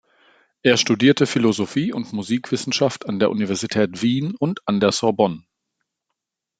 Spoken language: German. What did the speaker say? Er studierte Philosophie und Musikwissenschaft an der Universität Wien und an der Sorbonne.